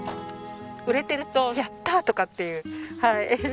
売れてるとやったー！とかっていうはい。